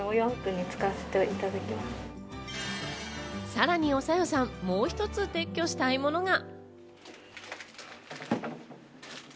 さらにおさよさん、もう一つ撤去したいものが。